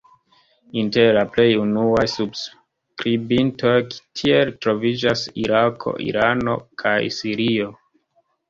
Inter la plej unuaj subskribintoj tiel troviĝas Irako, Irano kaj Sirio.